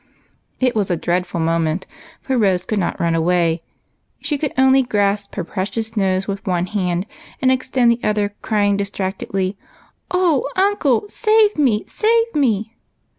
It was a dreadful moment, for Rose could not run away, — she could only grasp her precious nose with one hand and extend the other, crying distractedly, —" O uncle, save me, save me